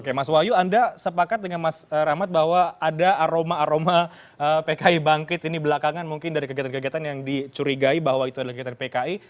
oke mas wahyu anda sepakat dengan mas rahmat bahwa ada aroma aroma pki bangkit ini belakangan mungkin dari kegiatan kegiatan yang dicurigai bahwa itu adalah kegiatan pki